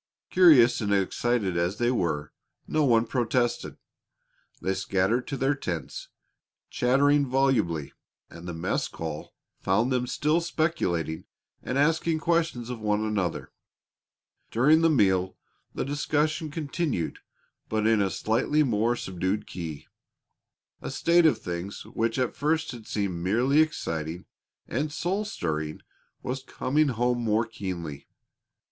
Curious and excited as they were, no one protested. They scattered to their tents, chattering volubly, and the mess call found them still speculating and asking questions of one another. During the meal the discussion continued but in a slightly more subdued key. A state of things which at first had seemed merely exciting and soul stirring was coming home more keenly.